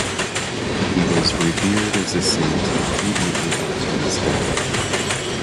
He was revered as a saint immediately after his death.